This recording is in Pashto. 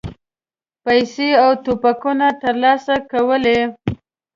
پیسې او توپکونه ترلاسه کولې.